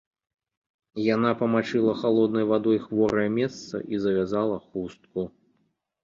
Яна памачыла халоднай вадой хворае месца і завязала хустку.